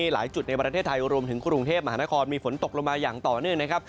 หลายจุดในประเทศไทยรวมถึงกรุงเทพมหานครมีฝนตกลงมาอย่างต่อเนื่องนะครับ